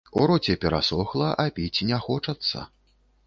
У роце перасохла, а піць не хочацца.